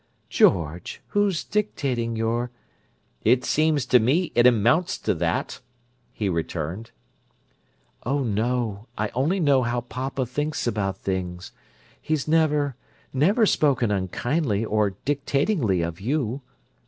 "George! Who's 'dictating' your—" "It seems to me it amounts to that!" he returned. "Oh, no! I only know how papa thinks about things. He's never, never spoken unkindly, or 'dictatingly' of you."